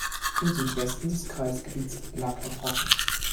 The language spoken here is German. Im Südwesten des Kreisgebiets lag der Brocken.